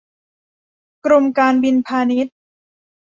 กรมการบินพาณิชย์